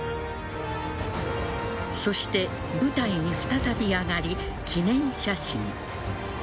そして舞台に再び上がり記念写真。